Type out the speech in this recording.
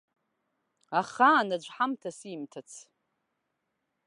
Ахаан аӡәы ҳамҭа симҭац.